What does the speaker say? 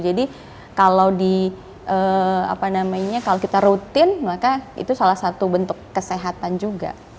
jadi kalau kita rutin maka itu salah satu bentuk kesehatan juga